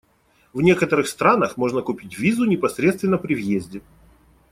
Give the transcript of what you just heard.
В некоторых странах можно купить визу непосредственно при въезде.